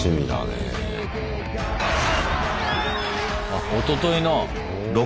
あっおとといの。